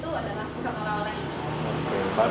baru setelah itu aja